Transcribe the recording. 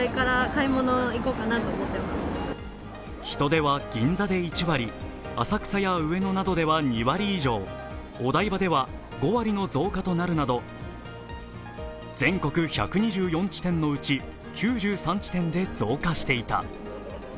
人出は銀座で１割、浅草や上野では２割以上、お台場では５割の増加となるなど全国１２４地点のうち９３地点で増加していた。